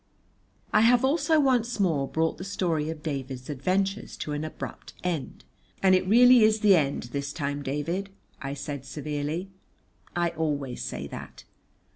I have also once more brought the story of David's adventures to an abrupt end. "And it really is the end this time, David," I said severely. (I always say that.)